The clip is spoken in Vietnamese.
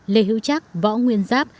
lê hữu trác võ nguyên giáp